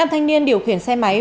năm thanh niên điều khiển xe máy